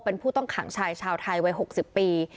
เป็นผู้ต้องขังชายชาวไทยวัย๖๐ปี